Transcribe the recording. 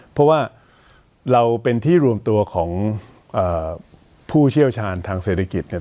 เพราะว่าเราเป็นที่รวมตัวของผู้เชี่ยวชาญทางเศรษฐกิจเนี่ย